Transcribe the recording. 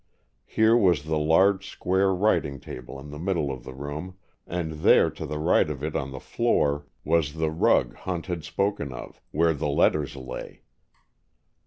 Here was the large square writing table in the middle of the room, and there, to the right of it on the floor, was the rug Hunt had spoken of, where the letters lay.